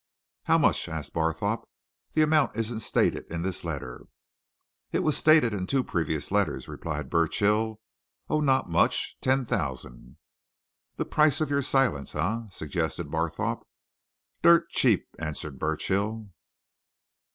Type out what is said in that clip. "How much?" asked Barthorpe. "The amount isn't stated in this letter." "It was stated in the two previous letters," replied Burchill. "Oh, not much. Ten thousand." "The price of your silence, eh?" suggested Barthorpe. "Dirt cheap!" answered Burchill.